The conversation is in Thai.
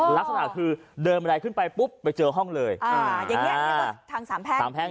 ลักษณะคือเดินบันไดขึ้นไปปุ๊บไปเจอห้องเลยอ่าอย่างเงี้ยทางสามแพ่ง